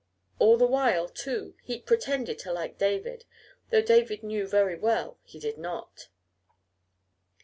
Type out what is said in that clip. All the while, too, Heep pretended to like David, though David knew very well he did not.